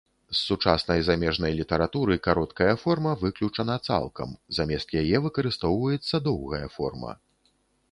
З сучаснай замежнай літаратуры кароткая форма выключана цалкам, замест яе выкарыстоўваецца доўгая форма.